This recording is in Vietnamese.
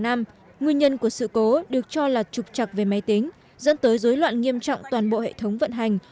nguyên nhân của sự cố được cho là trục chặt về máy tính dẫn tới dối loạn nghiêm trọng toàn bộ hệ thống vận hành